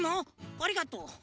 ありがとう。